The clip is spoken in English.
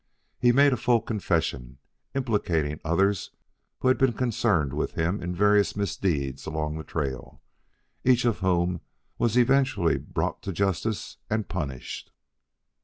He made a full confession, implicating others who had been concerned with him in various misdeeds along the trail, each of whom was eventually brought to justice and punished.